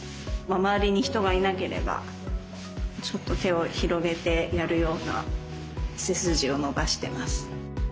周りに人がいなければちょっと手を広げてやるような背筋を伸ばしてます。